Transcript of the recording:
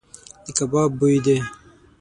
د کباب بوی دی .